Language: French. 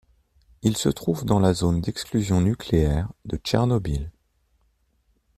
Il se trouve dans la zone d'exclusion nucléaire de Tchernobyl.